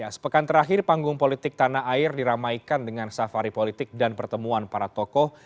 sepekan terakhir panggung politik tanah air diramaikan dengan safari politik dan pertemuan para tokoh